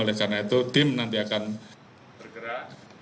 oleh karena itu tim nanti akan bergerak